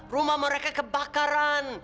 rumah mereka kebakaran